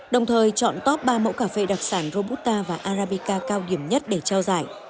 đồng thời chọn top ba mẫu cà phê đặc sản robusta và arabica cao điểm nhất để trao giải